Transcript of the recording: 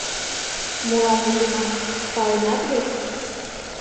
— Молан ӱжынам, паленат вет?